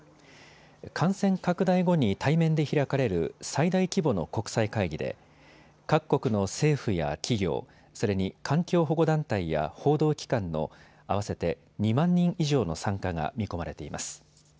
感染拡大後に対面で開かれる最大規模の国際会議で各国の政府や企業、それに環境保護団体や報道機関の合わせて２万人以上の参加が見込まれています。